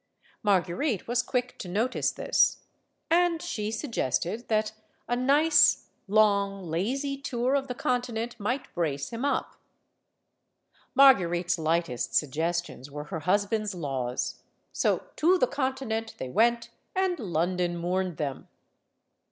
Marguerite was quick to notice this. And she sug gested that a nice, long, lazy tour of the Continent might brace him up. Marguerite's lightest suggestions were her husband's laws. So to the Continent they went, and London mourned them.